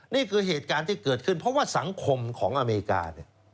นี่คือเหตุการณ์ที่เกิดขึ้นเพราะว่าสังคมของอเมริกาเนี่ย